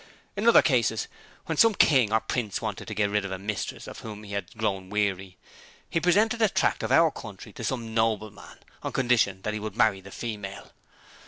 In other cases, when some king or prince wanted to get rid of a mistress of whom he had grown weary, he presented a tract of our country to some 'nobleman' on condition that he would marry the female.